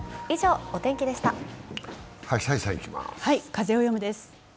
「風をよむ」です。